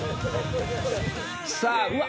さあうわ。